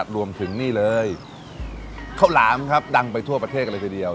รวมถึงนี่เลยข้าวหลามครับดังไปทั่วประเทศเลยทีเดียว